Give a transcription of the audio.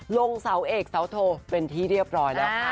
ลงเสาเอกเสาโทเป็นที่เรียบร้อยแล้วค่ะ